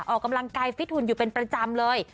ออกกำลังกายฟิตหุ่นอยู่เป็นประจำเลย